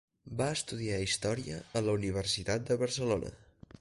Va estudiar història a la Universitat de Barcelona.